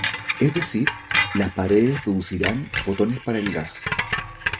Es decir, las paredes producirán fotones para el gas.